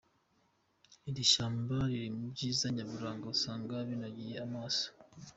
Iri shyamba riri mu byiza nyaburanga usanga binogeye amaso.